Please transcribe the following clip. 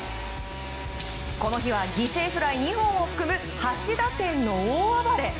この日は犠牲フライ２本を放つ８打点の大暴れ。